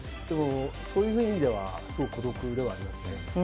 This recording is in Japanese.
その意味ではすごく孤独ではありますね。